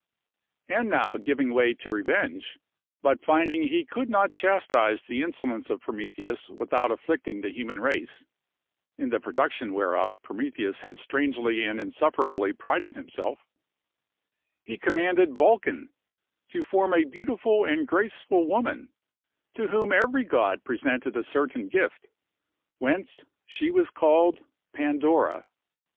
And now giving way to revenge, but finding he could not chastise the insolence of Prometheus without afflicting the human race (in the production whereof Prometheus had strangely and insufferably prided himself), he commanded Vulcan to form a beautiful and graceful woman, to whom every god presented a certain gift, whence she was called Pandora.